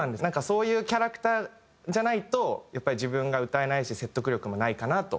そういうキャラクターじゃないとやっぱり自分が歌えないし説得力もないかなと思って。